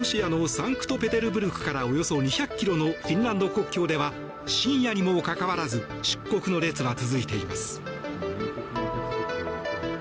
ロシアのサンクトペテルブルクからおよそ２００ｋｍのフィンランド国境では深夜にもかかわらず出国の列は続いています。